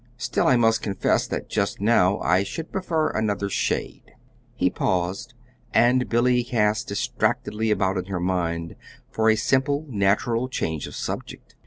"Still, I must confess that just now I should prefer another shade." He paused, and Billy cast distractedly about in her mind for a simple, natural change of subject.